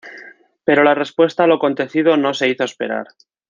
Pero la respuesta a lo acontecido no se hizo esperar.